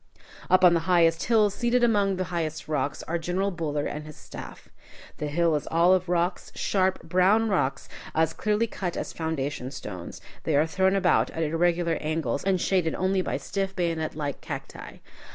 Up on the highest hill, seated among the highest rocks, are General Buller and his staff. The hill is all of rocks, sharp, brown rocks, as clearly cut as foundation stones. They are thrown about at irregular angles, and are shaded only by stiff bayonet like cacti.